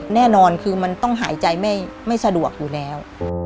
แน่นอนคือมันต้องหายใจไม่สะดวกอยู่แล้ว